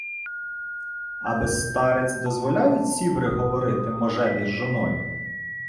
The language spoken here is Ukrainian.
— А без стариць дозволяють сіври говорити можеві з жоною?